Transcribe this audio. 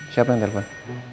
siapa yang telepon